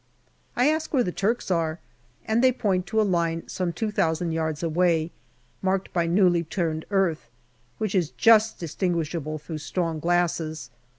I ask where the Turks are, and they point to a line some two thousand yards away, marked by newly turned earth, which is just distinguishable through strong glasses.